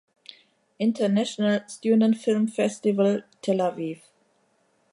International Student Film Festival Tel Aviv.